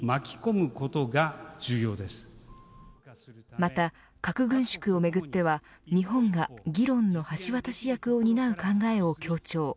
また、核軍縮をめぐっては日本が議論の橋渡し役を担う考えを強調。